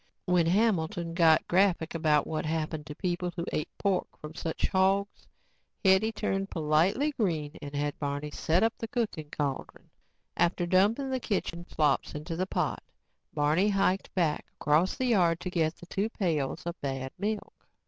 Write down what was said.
When Hamilton got graphic about what happened to people who ate pork from such hogs, Hetty turned politely green and had Barney set up the cooking cauldron. After dumping the kitchen slops into the pot, Barney hiked back across the yard to get the two pails of bad milk.